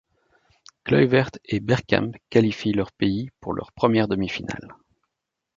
Kluivert et Bergkamp qualifient leur pays pour leur première demi-finale.